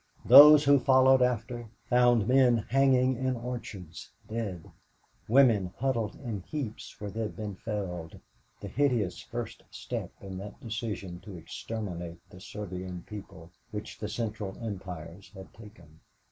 Those who followed after found men hanging in orchards, dead; women huddled in heaps where they'd been felled, the hideous first step in that decision to exterminate the Serbian people, which the Central Empires had taken.